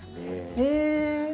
へえ！